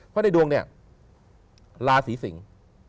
เพราะในดวงเนี่ยราศีสิงศ์